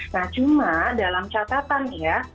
nah cuma dalam catatan ya